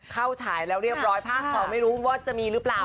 ฉายแล้วเรียบร้อยภาค๒ไม่รู้ว่าจะมีหรือเปล่า